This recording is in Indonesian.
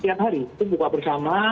setiap hari itu buka bersama